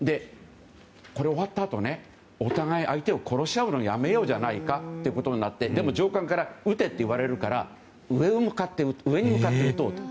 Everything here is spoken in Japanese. これ、終わったあとお互い、相手を殺し合うのはやめようじゃないかということになってでも、上官から撃てと言われるから上に向かって撃とうと。